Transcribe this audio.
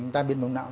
ta biến bóng não